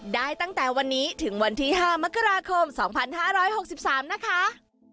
ได้ตั้งแต่วันนี้ถึงวันที่๕มกราคม๒๕๖๓นะคะ